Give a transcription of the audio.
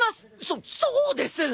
そそうです！